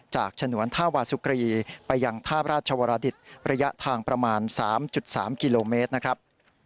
ฉนวนท่าวาสุกรีไปยังท่าราชวรดิตระยะทางประมาณ๓๓กิโลเมตรนะครับ